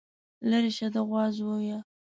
ليرې شه د غوا زويه.